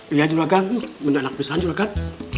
iya joragan enak enak pesan joragan